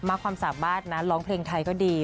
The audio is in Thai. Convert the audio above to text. ความสามารถนะร้องเพลงไทยก็ดี